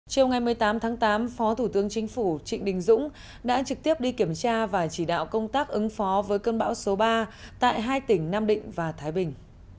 chiều ngày một mươi tám tháng tám phó thủ tướng chính phủ trịnh đình dũng đã trực tiếp đi kiểm tra và chỉ đạo công tác ứng phó với cơn bão số ba tại hai tỉnh nam định và thái bình